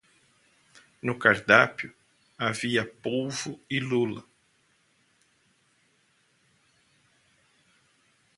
No cardápio, havia polvo e lula.